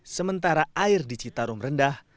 sementara air di citarum rendah